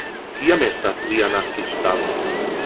Kiam estas via naskiĝtago?